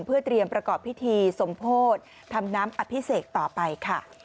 เพื่อเตรียมประกอบพิธีสมโพธิทำน้ำอภิเษกต่อไปค่ะ